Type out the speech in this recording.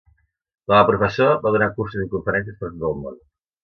Com a professor, va donar cursos i conferències per tot el món.